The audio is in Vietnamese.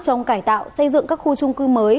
trong cải tạo xây dựng các khu trung cư mới